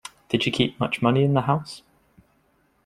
Did she keep much money in the house?